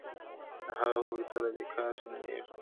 د هغه په فیصله دي کار سمېږي-